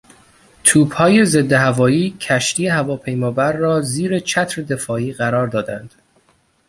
توپهای ضدهوایی کشتی هواپیمابر را زیر چتر دفاعی قرار دادند.